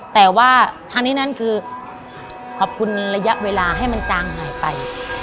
แต่ว่าทางนี้นั้นคือขอบคุณระยะเวลาให้มันจางหายไป